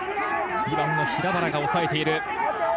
２番の平原がおさえている。